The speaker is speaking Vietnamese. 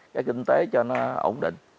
cái kinh tế cho nó ổn định